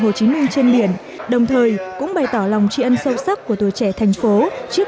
hồ chí minh trên biển đồng thời cũng bày tỏ lòng tri ân sâu sắc của tuổi trẻ thành phố trước